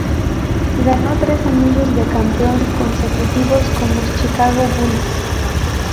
Ganó tres anillos de campeón consecutivos con los Chicago Bulls.